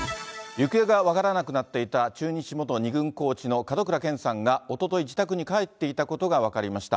行方が分からなくなっていた、中日元２軍コーチの門倉健さんが、おととい、自宅に帰っていたことが分かりました。